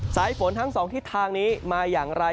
สายฝนทั้งสองทิศทางนี้มาอย่างไร